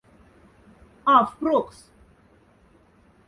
Аф прокс.